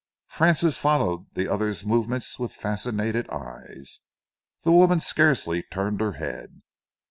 Francis followed the other's movements with fascinated eyes. The woman scarcely turned her head.